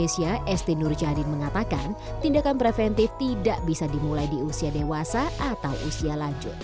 st nurjadin mengatakan tindakan preventif tidak bisa dimulai di usia dewasa atau usia lanjut